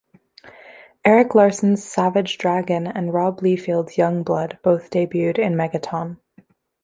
Erik Larsen's "Savage Dragon" and Rob Liefeld's "Youngblood" both debuted in "Megaton".